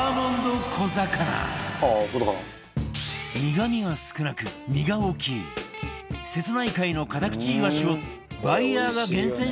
苦みが少なく身が大きい瀬戸内海のカタクチイワシをバイヤーが厳選して商品化